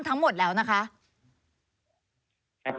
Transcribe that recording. ทั้งหมดแล้วนะคะ